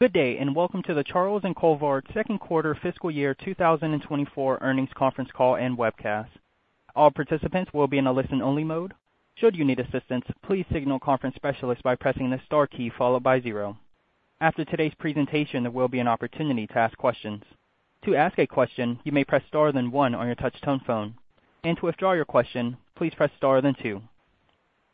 Good day, and welcome to the Charles & Colvard second quarter fiscal year 2024 earnings conference call and webcast. All participants will be in a listen-only mode. Should you need assistance, please signal conference specialist by pressing the star key followed by zero. After today's presentation, there will be an opportunity to ask questions. To ask a question, you may press star, then one on your touch-tone phone, and to withdraw your question, please press star, then two.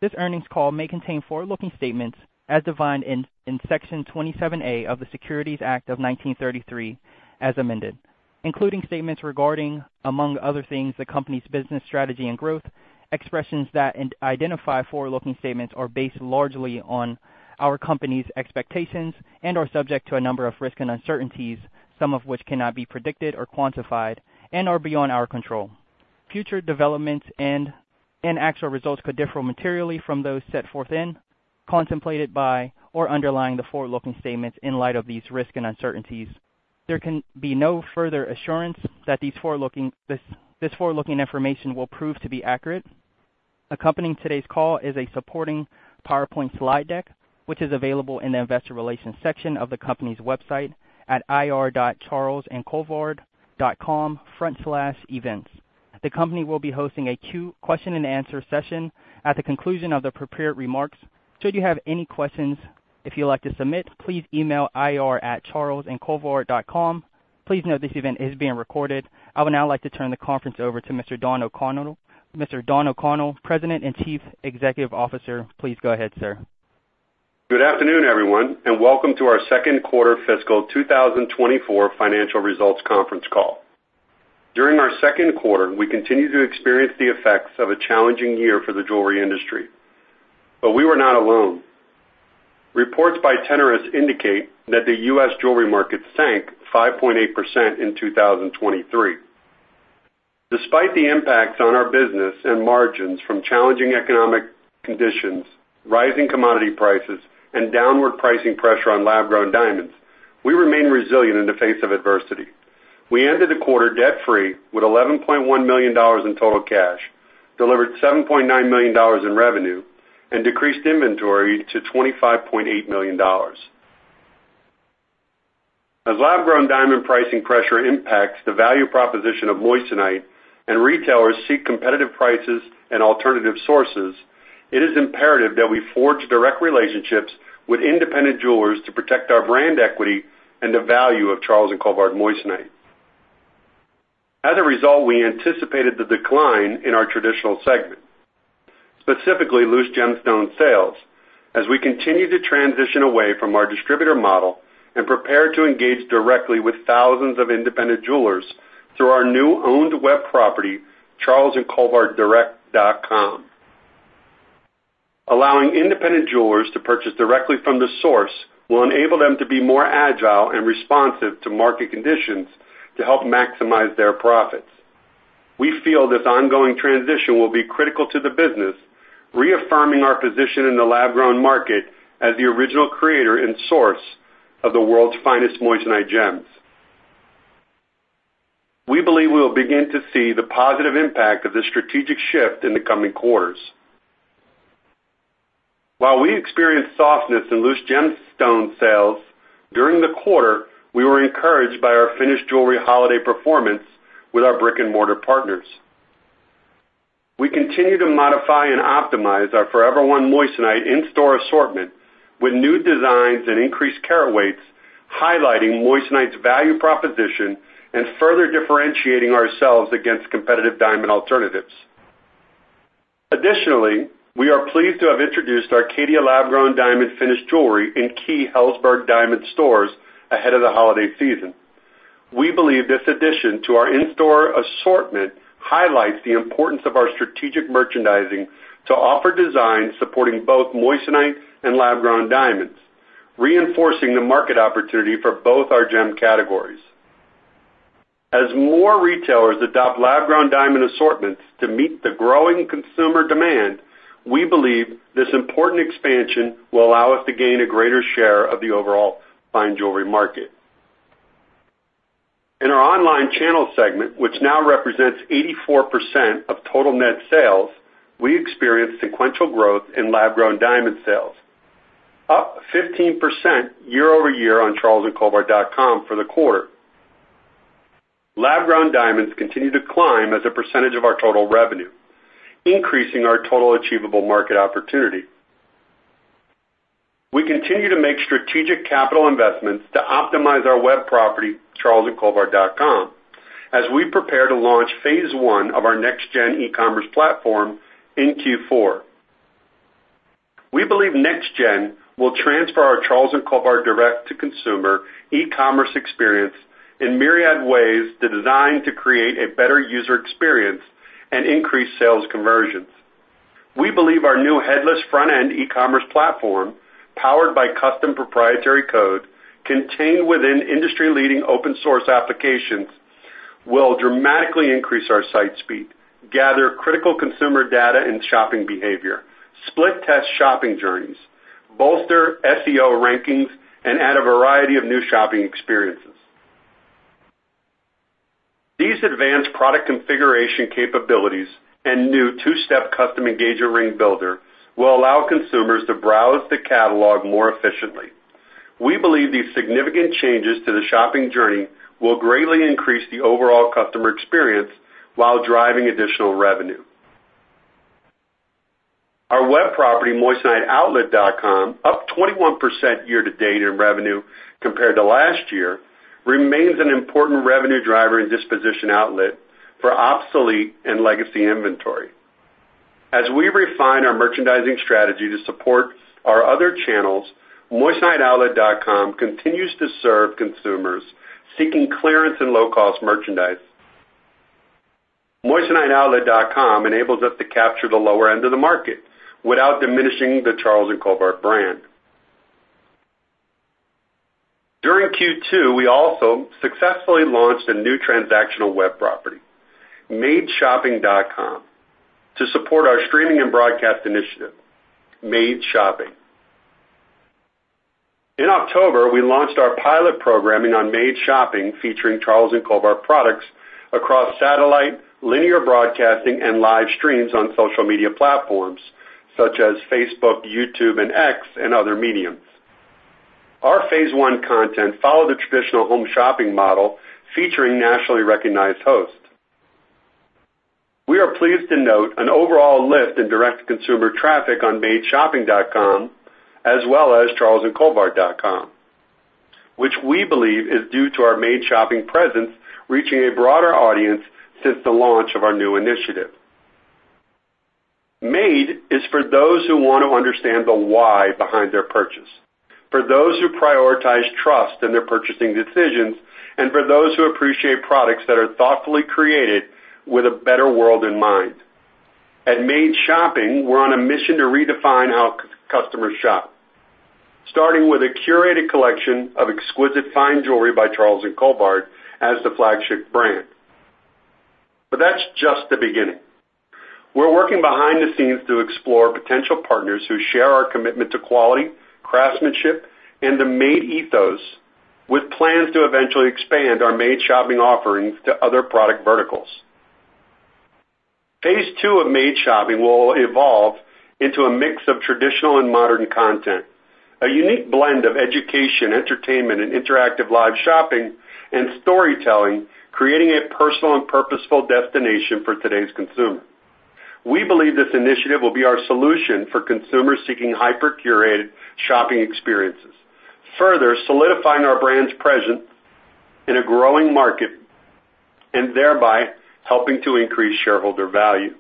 This earnings call may contain forward-looking statements as defined in Section 27A of the Securities Act of 1933, as amended, including statements regarding, among other things, the company's business strategy and growth. Expressions that identify forward-looking statements are based largely on our company's expectations and are subject to a number of risks and uncertainties, some of which cannot be predicted or quantified and are beyond our control. Future developments and actual results could differ materially from those set forth in, contemplated by, or underlying the forward-looking statements in light of these risks and uncertainties. There can be no further assurance that this forward-looking information will prove to be accurate. Accompanying today's call is a supporting PowerPoint slide deck, which is available in the Investor Relations section of the company's website at ir.charlesandcolvard.com/events. The company will be hosting a question and answer session at the conclusion of the prepared remarks. Should you have any questions if you'd like to submit, please email ir@charlesandcolvard.com. Please note this event is being recorded. I would now like to turn the conference over to Mr. Don O'Connell. Mr. Don O'Connell, President and Chief Executive Officer. Please go ahead, sir. Good afternoon, everyone, and welcome to our second quarter fiscal 2024 financial results conference call. During our second quarter, we continued to experience the effects of a challenging year for the jewelry industry, but we were not alone. Reports by Tenoris indicate that the U.S. jewelry market sank 5.8% in 2023. Despite the impacts on our business and margins from challenging economic conditions, rising commodity prices, and downward pricing pressure on lab-grown diamonds, we remain resilient in the face of adversity. We ended the quarter debt-free with $11.1 million in total cash, delivered $7.9 million in revenue, and decreased inventory to $25.8 million. As lab-grown diamond pricing pressure impacts the value proposition of moissanite and retailers seek competitive prices and alternative sources, it is imperative that we forge direct relationships with independent jewelers to protect our brand equity and the value of Charles & Colvard moissanite. As a result, we anticipated the decline in our traditional segment, specifically loose gemstone sales, as we continue to transition away from our distributor model and prepare to engage directly with thousands of independent jewelers through our new owned web property, charlesandcolvarddirect.com. Allowing independent jewelers to purchase directly from the source will enable them to be more agile and responsive to market conditions to help maximize their profits. We feel this ongoing transition will be critical to the business, reaffirming our position in the lab-grown market as the original creator and source of the world's finest moissanite gems. We believe we will begin to see the positive impact of this strategic shift in the coming quarters. While we experienced softness in loose gemstone sales during the quarter, we were encouraged by our finished jewelry holiday performance with our brick-and-mortar partners. We continue to modify and optimize our Forever One moissanite in-store assortment with new designs and increased carat weights, highlighting moissanite's value proposition and further differentiating ourselves against competitive diamond alternatives. Additionally, we are pleased to have introduced our Caydia lab-grown diamond finished jewelry in key Helzberg Diamonds stores ahead of the holiday season. We believe this addition to our in-store assortment highlights the importance of our strategic merchandising to offer designs supporting both moissanite and lab-grown diamonds, reinforcing the market opportunity for both our gem categories. As more retailers adopt lab-grown diamond assortments to meet the growing consumer demand, we believe this important expansion will allow us to gain a greater share of the overall fine jewelry market. In our online channel segment, which now represents 84% of total net sales, we experienced sequential growth in lab-grown diamond sales, up 15% year-over-year on charlesandcolvard.com for the quarter. Lab-grown diamonds continue to climb as a percentage of our total revenue, increasing our total achievable market opportunity. We continue to make strategic capital investments to optimize our web property, charlesandcolvard.com, as we prepare to launch phase one of our next-gen e-commerce platform in Q4. We believe next-gen will transfer our Charles & Colvard direct-to-consumer e-commerce experience in myriad ways designed to create a better user experience and increase sales conversions. We believe our new headless front-end e-commerce platform, powered by custom proprietary code, contained within industry-leading open source applications, will dramatically increase our site speed, gather critical consumer data and shopping behavior, split test shopping journeys, bolster SEO rankings, and add a variety of new shopping experiences. These advanced product configuration capabilities and new two-step custom engagement ring builder will allow consumers to browse the catalog more efficiently. We believe these significant changes to the shopping journey will greatly increase the overall customer experience while driving additional revenue. Our web property, moissaniteoutlet.com, up 21% year-to-date in revenue compared to last year, remains an important revenue driver and disposition outlet for obsolete and legacy inventory. As we refine our merchandising strategy to support our other channels, moissaniteoutlet.com continues to serve consumers seeking clearance and low-cost merchandise. Moissaniteoutlet.com enables us to capture the lower end of the market without diminishing the Charles & Colvard brand. During Q2, we also successfully launched a new transactional web property, madeshopping.com, to support our streaming and broadcast initiative, MADE Shopping. In October, we launched our pilot programming on MADE Shopping, featuring Charles & Colvard products across satellite, linear broadcasting, and live streams on social media platforms such as Facebook, YouTube, and X, and other mediums. Our phase one content followed the traditional home shopping model, featuring nationally recognized hosts. We are pleased to note an overall lift in direct-to-consumer traffic on madeshopping.com, as well as charlesandcolvard.com, which we believe is due to our MADE Shopping presence reaching a broader audience since the launch of our new initiative. MADE is for those who want to understand the why behind their purchase, for those who prioritize trust in their purchasing decisions, and for those who appreciate products that are thoughtfully created with a better world in mind. At MADE Shopping, we're on a mission to redefine how customers shop, starting with a curated collection of exquisite fine jewelry by Charles & Colvard as the flagship brand. But that's just the beginning. We're working behind the scenes to explore potential partners who share our commitment to quality, craftsmanship, and the MADE ethos, with plans to eventually expand our MADE Shopping offerings to other product verticals. Phase two of MADE Shopping will evolve into a mix of traditional and modern content, a unique blend of education, entertainment, interactive live shopping, and storytelling, creating a personal and purposeful destination for today's consumer. We believe this initiative will be our solution for consumers seeking hyper-curated shopping experiences, further solidifying our brand's presence in a growing market and thereby helping to increase shareholder value.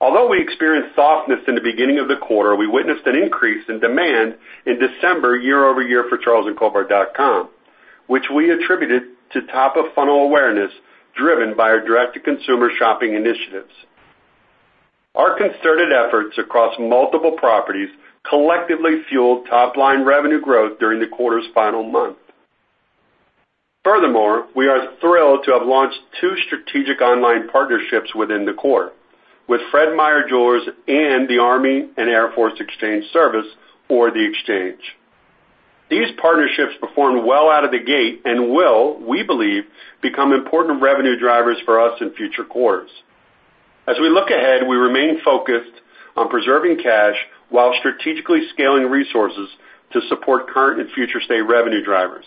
Although we experienced softness in the beginning of the quarter, we witnessed an increase in demand in December year-over-year for charlesandcolvard.com, which we attributed to top-of-funnel awareness, driven by our direct-to-consumer shopping initiatives. Our concerted efforts across multiple properties collectively fueled top-line revenue growth during the quarter's final month. Furthermore, we are thrilled to have launched two strategic online partnerships within the quarter with Fred Meyer Jewelers and the Army and Air Force Exchange Service or The Exchange. These partnerships performed well out of the gate and will, we believe, become important revenue drivers for us in future quarters. As we look ahead, we remain focused on preserving cash while strategically scaling resources to support current and future state revenue drivers.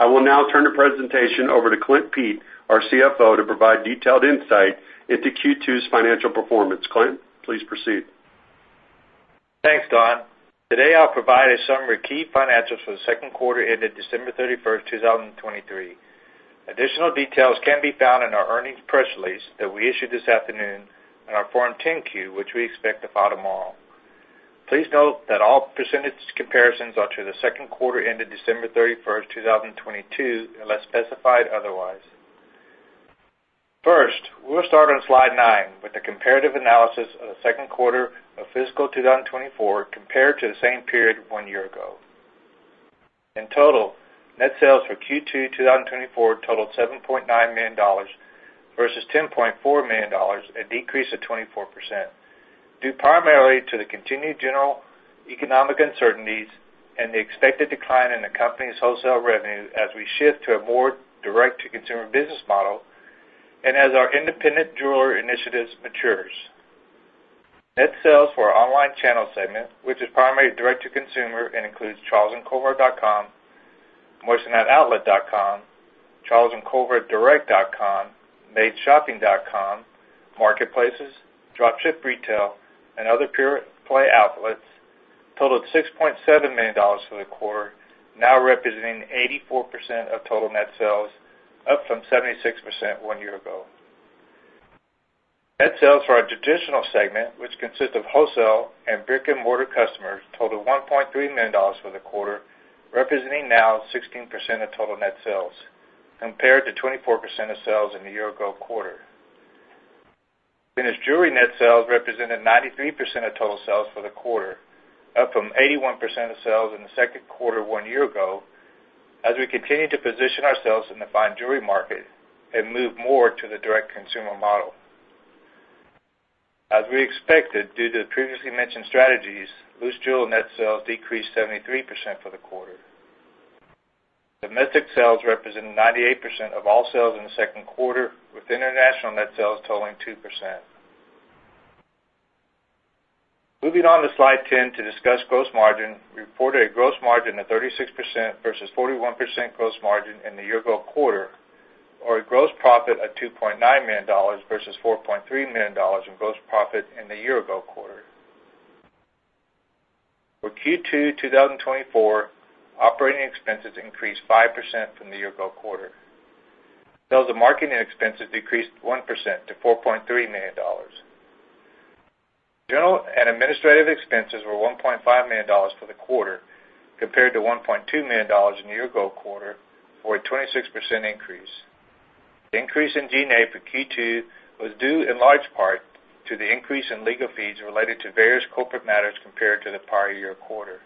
I will now turn the presentation over to Clint Pete, our CFO, to provide detailed insight into Q2's financial performance. Clint, please proceed. Thanks, Don. Today, I'll provide a summary of key financials for the second quarter ended December 31, 2023. Additional details can be found in our earnings press release that we issued this afternoon and our Form 10-Q, which we expect to file tomorrow. Please note that all percentage comparisons are to the second quarter ended December 31, 2022, unless specified otherwise. First, we'll start on slide 9 with the comparative analysis of the second quarter of fiscal 2024 compared to the same period one year ago. In total, net sales for Q2 2024 totaled $7.9 million versus $10.4 million, a decrease of 24%, due primarily to the continued general economic uncertainties and the expected decline in the company's wholesale revenue as we shift to a more direct-to-consumer business model and as our independent jeweler initiatives matures. Net sales for our online channel segment, which is primarily direct-to-consumer and includes charlesandcolvard.com, moissaniteoutlet.com, charlesandcolvarddirect.com, madeshopping.com, marketplaces, drop ship, retail, and other pure play outlets, totaled $6.7 million for the quarter, now representing 84% of total net sales, up from 76% one year ago. Net sales for our traditional segment, which consists of wholesale and brick-and-mortar customers, totaled $1.3 million for the quarter, representing now 16% of total net sales, compared to 24% of sales in the year-ago quarter. Finished jewelry net sales represented 93% of total sales for the quarter, up from 81% of sales in the second quarter one year ago, as we continue to position ourselves in the fine jewelry market and move more to the direct-to-consumer model. As we expected, due to the previously mentioned strategies, loose jewelry net sales decreased 73% for the quarter. Domestic sales represented 98% of all sales in the second quarter, with international net sales totaling 2%. Moving on to Slide 10 to discuss gross margin. We reported a gross margin of 36% versus 41% gross margin in the year-ago quarter, or a gross profit of $2.9 million versus $4.3 million in gross profit in the year-ago quarter. For Q2 2024, operating expenses increased 5% from the year ago quarter, though the marketing expenses decreased 1% to $4.3 million. General and administrative expenses were $1.5 million for the quarter, compared to $1.2 million in the year ago quarter, or a 26% increase. The increase in G&A for Q2 was due in large part to the increase in legal fees related to various corporate matters compared to the prior year quarter.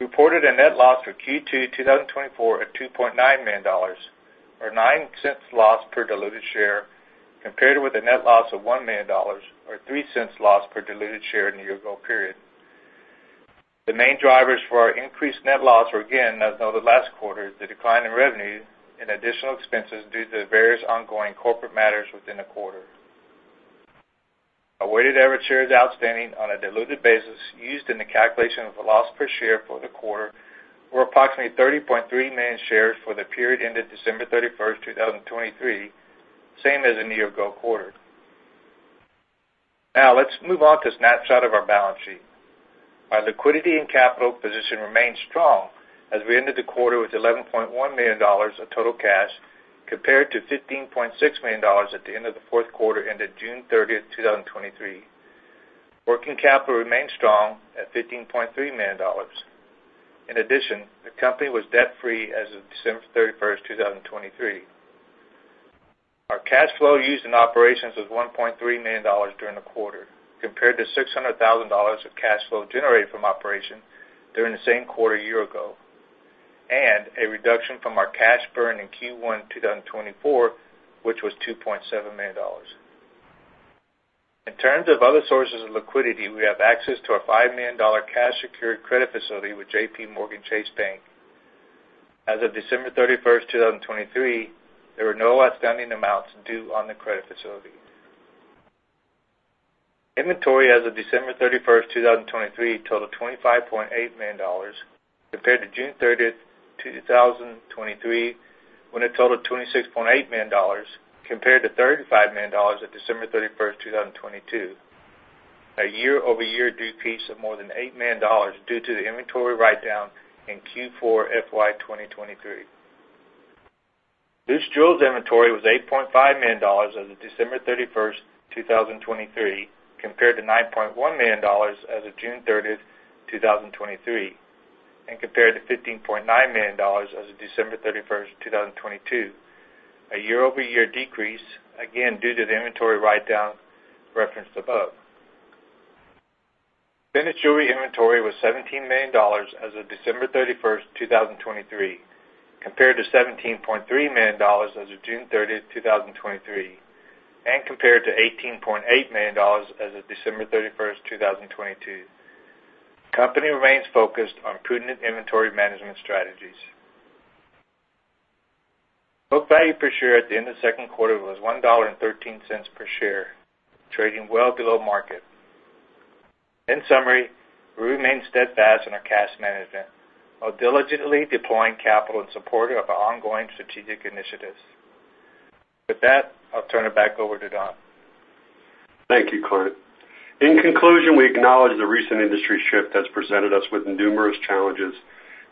We reported a net loss for Q2 2024 at $2.9 million, or $0.09 loss per diluted share, compared with a net loss of $1 million or $0.03 loss per diluted share in the year ago period. The main drivers for our increased net loss were, again, as noted last quarter, the decline in revenue and additional expenses due to the various ongoing corporate matters within the quarter. Our weighted average shares outstanding on a diluted basis used in the calculation of the loss per share for the quarter were approximately 30.3 million shares for the period ended December 31, 2023, same as the year-ago quarter. Now, let's move on to a snapshot of our balance sheet. Our liquidity and capital position remained strong as we ended the quarter with $11.1 million of total cash, compared to $15.6 million at the end of the fourth quarter, ended June 30, 2023. Working capital remained strong at $15.3 million. In addition, the company was debt-free as of December 31, 2023. Our cash flow used in operations was $1.3 million during the quarter, compared to $600,000 of cash flow generated from operations during the same quarter a year ago, and a reduction from our cash burn in Q1 2024, which was $2.7 million. In terms of other sources of liquidity, we have access to a $5 million cash secured credit facility with JPMorgan Chase Bank. As of December thirty-first, 2023, there were no outstanding amounts due on the credit facility. Inventory as of December thirty-first, 2023, totaled $25.8 million, compared to June thirtieth, 2023, when it totaled $26.8 million, compared to $35 million at December thirty-first, 2022, a year-over-year decrease of more than $8 million due to the inventory write-down in Q4 FY 2023. Loose jewels inventory was $8.5 million as of December 31, 2023, compared to $9.1 million as of June 30, 2023, and compared to $15.9 million as of December 31, 2022. A year-over-year decrease, again, due to the inventory write-down referenced above. Finished jewelry inventory was $17 million as of December 31, 2023, compared to $17.3 million as of June 30, 2023, and compared to $18.8 million as of December 31, 2022. Company remains focused on prudent inventory management strategies. Book value per share at the end of the second quarter was $1.13 per share, trading well below market. In summary, we remain steadfast in our cash management while diligently deploying capital in support of our ongoing strategic initiatives. With that, I'll turn it back over to Don. Thank you, Clint. In conclusion, we acknowledge the recent industry shift has presented us with numerous challenges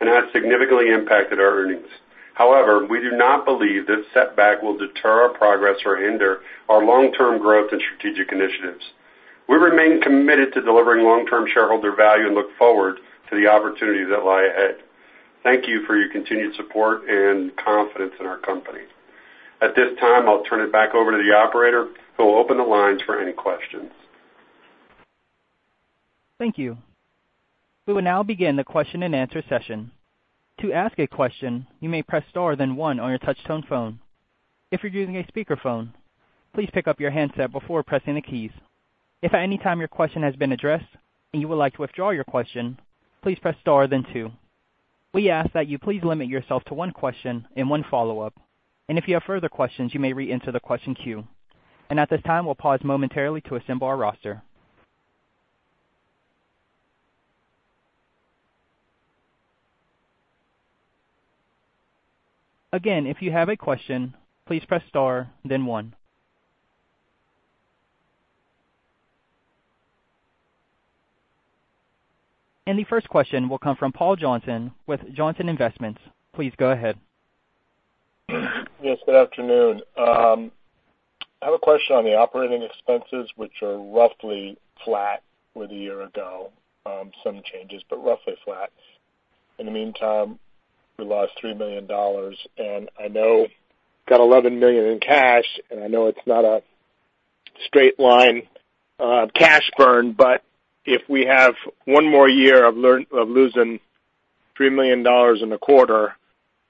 and has significantly impacted our earnings. However, we do not believe this setback will deter our progress or hinder our long-term growth and strategic initiatives. We remain committed to delivering long-term shareholder value and look forward to the opportunities that lie ahead. Thank you for your continued support and confidence in our company. At this time, I'll turn it back over to the operator, who will open the lines for any questions. Thank you. We will now begin the question-and-answer session. To ask a question, you may press star, then one on your touch-tone phone. If you're using a speakerphone, please pick up your handset before pressing the keys. If at any time your question has been addressed and you would like to withdraw your question, please press star, then two. We ask that you please limit yourself to one question and one follow-up, and if you have further questions, you may reenter the question queue. At this time, we'll pause momentarily to assemble our roster. Again, if you have a question, please press star, then one. The first question will come from Paul Johnson with Johnson Investments. Please go ahead. Yes, good afternoon. I have a question on the operating expenses, which are roughly flat with a year ago, some changes, but roughly flat. In the meantime, we lost $3 million, and I know got $11 million in cash, and I know it's not a straight line cash burn, but if we have one more year of losing $3 million in the quarter,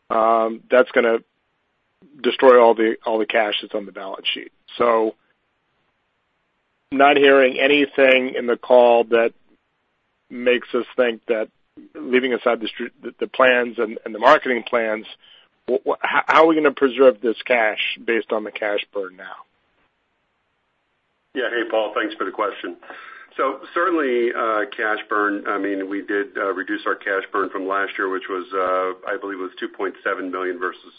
that's gonna destroy all the cash that's on the balance sheet. So not hearing anything in the call that makes us think that leaving aside the plans and the marketing plans, how are we gonna preserve this cash based on the cash burn now? Yeah. Hey, Paul, thanks for the question. So certainly, cash burn, I mean, we did reduce our cash burn from last year, which was, I believe it was $2.7 million versus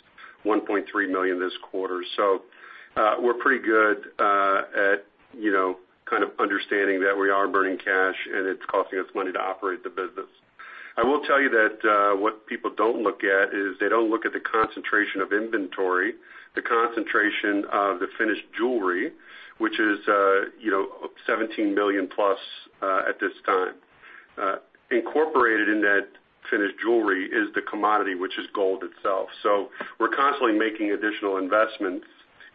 $1.3 million this quarter. So, we're pretty good at, you know, kind of understanding that we are burning cash, and it's costing us money to operate the business. I will tell you that, what people don't look at is they don't look at the concentration of inventory, the concentration of the finished jewelry, which is, you know, $17 million plus at this time. Incorporated in that finished jewelry is the commodity, which is gold itself. So we're constantly making additional investments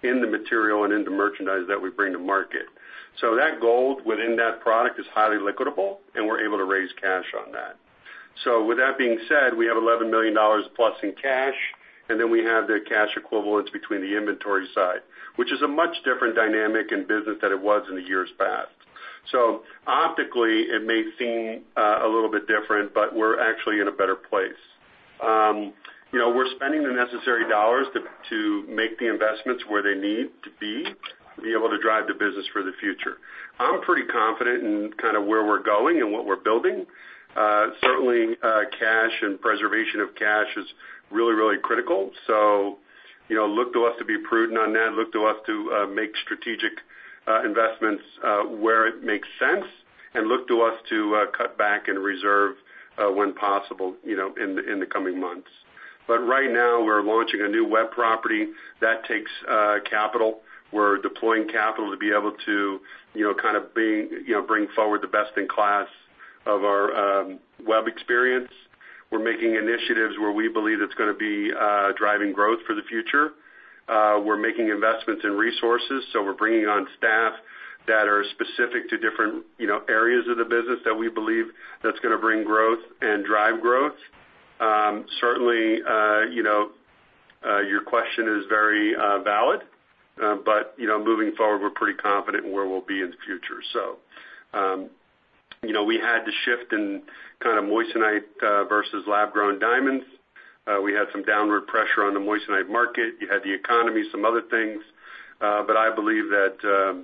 in the material and in the merchandise that we bring to market. So that gold within that product is highly liquidable, and we're able to raise cash on that. So with that being said, we have $11 million plus in cash, and then we have the cash equivalents between the inventory side, which is a much different dynamic in business than it was in the years past. So optically, it may seem a little bit different, but we're actually in a better place. You know, we're spending the necessary dollars to make the investments where they need to be, to be able to drive the business for the future. I'm pretty confident in kind of where we're going and what we're building. Certainly, cash and preservation of cash is really, really critical. So, you know, look to us to be prudent on that. Look to us to make strategic investments where it makes sense, and look to us to cut back and reserve when possible, you know, in the coming months. But right now, we're launching a new web property that takes capital. We're deploying capital to be able to, you know, kind of bring, you know, bring forward the best-in-class of our web experience. We're making initiatives where we believe it's gonna be driving growth for the future. We're making investments in resources, so we're bringing on staff that are specific to different, you know, areas of the business that we believe that's gonna bring growth and drive growth. Certainly, you know, your question is very valid. But, you know, moving forward, we're pretty confident in where we'll be in the future. So, you know, we had to shift in kind of Moissanite versus lab-grown diamonds. We had some downward pressure on the Moissanite market. You had the economy, some other things, but I believe that,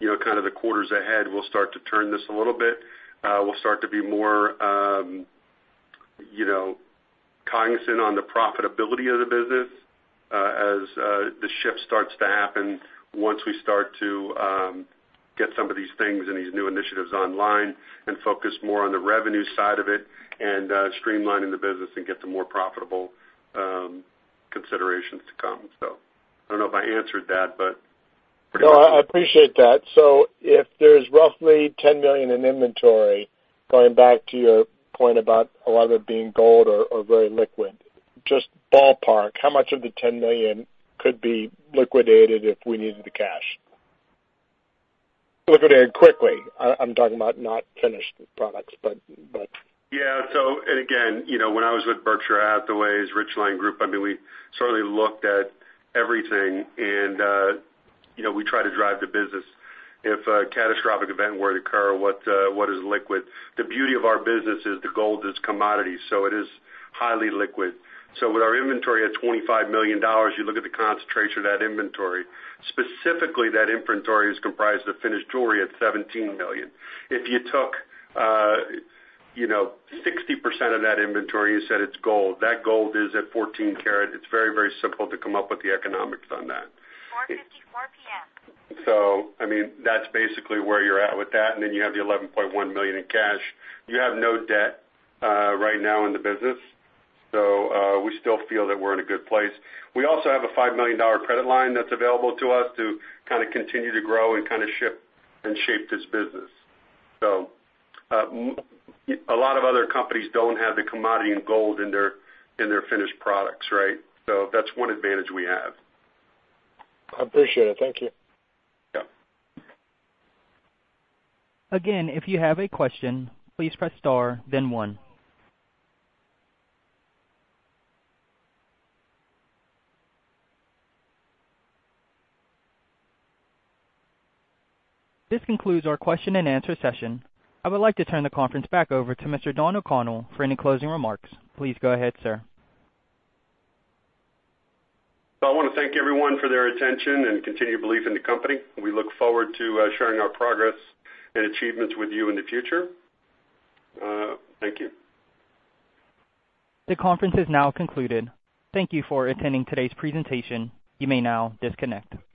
you know, kind of the quarters ahead will start to turn this a little bit. We'll start to be more, you know, cognizant on the profitability of the business, as the shift starts to happen once we start to get some of these things and these new initiatives online and focus more on the revenue side of it and streamlining the business and get to more profitable considerations to come. So I don't know if I answered that, but- No, I appreciate that. So if there's roughly $10 million in inventory, going back to your point about a lot of it being gold or, or very liquid, just ballpark, how much of the $10 million could be liquidated if we needed the cash? Liquidated quickly. I, I'm talking about not finished products, but, but- Yeah. So and again, you know, when I was with Berkshire Hathaway's Richline Group, I mean, we certainly looked at everything, and, you know, we try to drive the business. If a catastrophic event were to occur, what, what is liquid? The beauty of our business is the gold is commodity, so it is highly liquid. So with our inventory at $25 million, you look at the concentration of that inventory. Specifically, that inventory is comprised of finished jewelry at $17 million. If you took, you know, 60% of that inventory and you said it's gold, that gold is at 14 karat. It's very, very simple to come up with the economics on that. 4:54 P.M. So, I mean, that's basically where you're at with that, and then you have the $11.1 million in cash. You have no debt, right now in the business, so, we still feel that we're in a good place. We also have a $5 million credit line that's available to us to kind of continue to grow and kind of ship and shape this business. So, a lot of other companies don't have the commodity and gold in their, in their finished products, right? So that's one advantage we have. I appreciate it. Thank you. Yeah. Again, if you have a question, please press star, then one. This concludes our question and answer session. I would like to turn the conference back over to Mr. Don O'Connell for any closing remarks. Please go ahead, sir. I want to thank everyone for their attention and continued belief in the company. We look forward to sharing our progress and achievements with you in the future. Thank you. The conference is now concluded. Thank you for attending today's presentation. You may now disconnect.